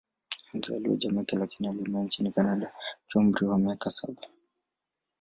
Alizaliwa Jamaika, lakini alihamia nchini Kanada akiwa na umri wa miaka saba.